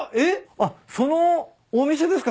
あっそのお店ですか？